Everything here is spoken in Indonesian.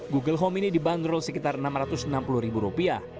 google home ini dibanderol sekitar enam ratus enam puluh ribu rupiah